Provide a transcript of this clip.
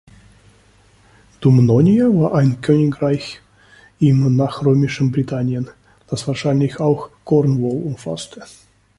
Dumnonia war ein Königreich im nachrömischen Britannien, das wahrscheinlich auch Cornwall umfasste.